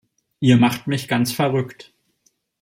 Ihr macht mich ganz verrückt!